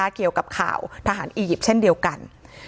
เกี่ยวกับข่าวทหารอียิปต์เช่นเดียวกัน